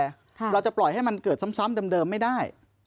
เราจะปล่อยให้มันเกิดซ้ำเดิมไม่ได้